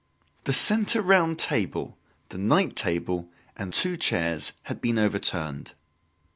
The centre round table, the night table and two chairs had been overturned.